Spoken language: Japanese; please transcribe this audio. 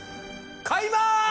買いまー。